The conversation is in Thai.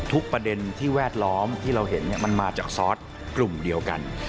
ประเด็นที่แวดล้อมที่เราเห็นมันมาจากซอสกลุ่มเดียวกัน